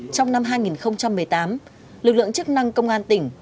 trong năm hai nghìn một mươi tám lực lượng chức năng công an tỉnh